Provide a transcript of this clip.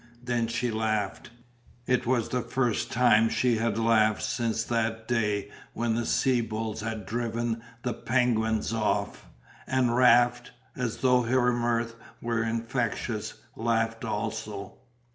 Then she laughed. It was the first time she had laughed since that day when the sea bulls had driven the penguins off, and Raft, as though her mirth were infectious, laughed also.